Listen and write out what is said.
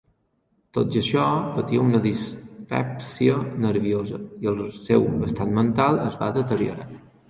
Tot i això, patia una "dispèpsia nerviosa" i el seu estat mental es va deteriorar.